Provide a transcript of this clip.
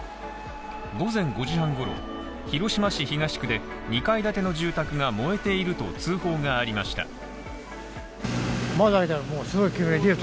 午前５時半ごろ、広島市東区で２階建ての住宅が燃えていると通報がありました。